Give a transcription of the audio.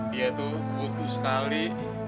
dia tuh butuh sekali